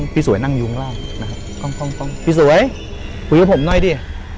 พี่สวยนั่งยุงล่ะนะครับพี่สวยพุยกับผมค่ะ